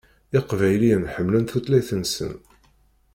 Iqbayliyen ḥemmlen tutlayt-nsen.